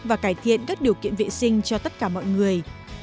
và cải thiện các điều kiện vệ sinh cho tất cả mọi người